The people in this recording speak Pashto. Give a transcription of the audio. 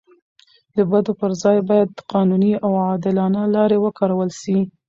د بدو پر ځای باید قانوني او عادلانه لارې وکارول سي.